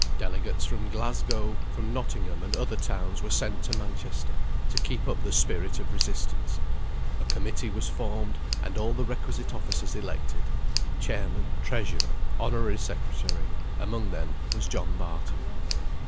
Delegates from Glasgow, from Nottingham, and other towns, were sent to Manchester, to keep up the spirit of resistance; a committee was formed, and all the requisite officers elected; chairman, treasurer, honorary secretary: among them was John Barton.